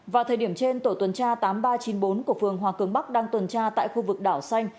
vào thời điểm trên tổ tuần tra tám nghìn ba trăm chín mươi bốn của phường hòa cường bắc đang tuần tra tại khu vực đảo xanh